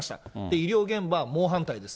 医療現場はもう反対です。